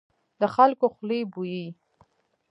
د خلکو خولې بويي.